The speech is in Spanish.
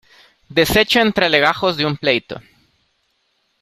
deshecho entre legajos de un pleito.